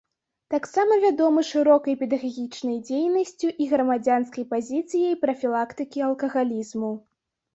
Таксама вядомы шырокай педагагічнай дзейнасцю і грамадзянскай пазіцыяй прафілактыкі алкагалізму.